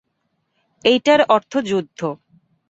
এইটার অর্থ যুদ্ধ।